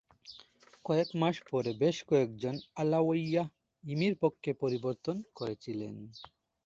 কয়েক মাস পরে বেশ কয়েকজন আলাওয়াইয়া-ইমির পক্ষ পরিবর্তন করেছিলেন।